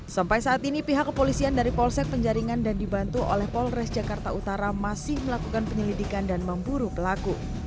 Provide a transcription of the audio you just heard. sampai saat ini pihak kepolisian dari polsek penjaringan dan dibantu oleh polres jakarta utara masih melakukan penyelidikan dan memburu pelaku